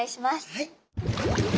はい。